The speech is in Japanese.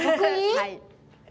はい。